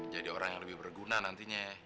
jadi orang yang lebih berguna nantinya